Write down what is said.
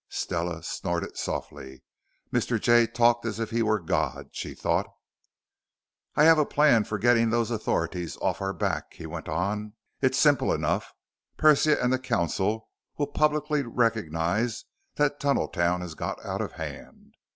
Stella snorted softly. Mr. Jay talked as if he were God, she thought. "I have a plan for getting those authorities off our backs," he went on. "It is simple enough. Persia and the council will publicly recognize that Tunneltown has got out of hand.